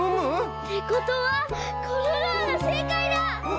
ってことはこのドアがせいかいだ！